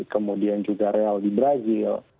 kemudian juga real di brazil